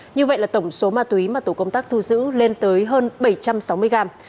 như vậy là tổng số ma túy mà tổ công tác thu giữ lên tới hơn bảy trăm sáu mươi gram